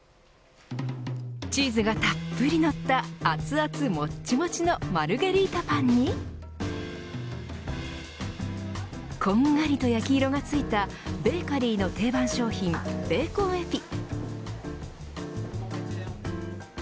チーズがたっぷりのった熱々もっちもちのマルゲリータパンにこんがりと焼き色がついたベーカリーの定番商品ベーコンエピ。